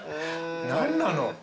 何なの？